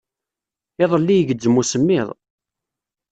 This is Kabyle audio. Iḍelli igezzem usemmiḍ.